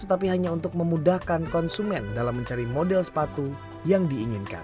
tetapi hanya untuk memudahkan konsumen dalam mencari model sepatu yang diinginkan